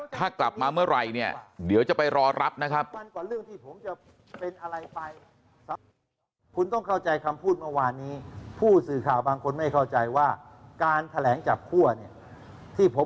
ถ้ากลับมาเมื่อไหร่เนี่ยเดี๋ยวจะไปรอรับนะครับ